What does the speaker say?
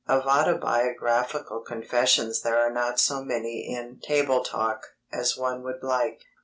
Of autobiographical confessions there are not so many in Table Talk as one would like.